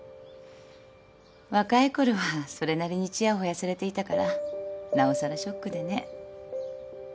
若いころはそれなりにちやほやされていたからなおさらショックでね。